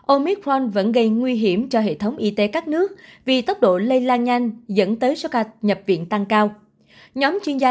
omitron vẫn gây nguy hiểm cho hệ thống y tế các nước vì tốc độ lây lan nhanh dẫn tới số ca nhập viện tăng cao